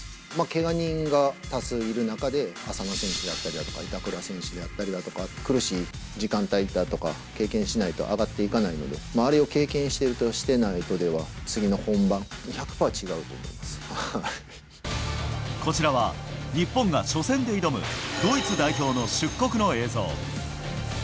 けが人が多数いる中で、浅野選手であったりとか、板倉選手であったりとか、苦しい時間帯だとか、経験しないと上がっていかないので、あれを経験しているとしてないとでは、次の本番、１００パー違うこちらは、日本が初戦で挑むドイツ代表の出国の映像。